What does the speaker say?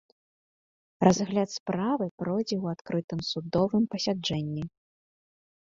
Разгляд справы пройдзе ў адкрытым судовым пасяджэнні.